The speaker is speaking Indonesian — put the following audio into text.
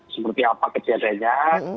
seperti apa kejadiannya